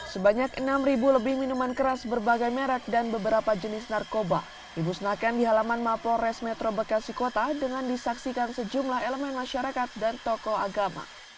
sebanyak enam lebih minuman keras berbagai merek dan beberapa jenis narkoba dimusnahkan di halaman mapol resmetro bekasi kota dengan disaksikan sejumlah elemen masyarakat dan tokoh agama